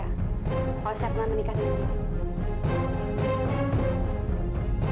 kalau saya pernah menikah dengan dia